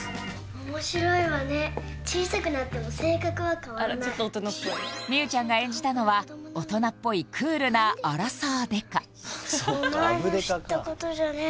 面白いわね小さくなっても性格は変わらない望結ちゃんが演じたのは大人っぽいクールなアラサー刑事お前の知ったことじゃねえ